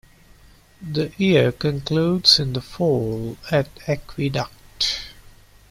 The year concludes in the fall at Aqueduct.